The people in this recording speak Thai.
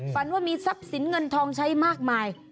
ฝันว่ามีทรัพย์สินเงินทองใช้มากมาย